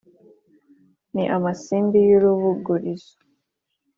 Ni amasimbi y’urubugurizo,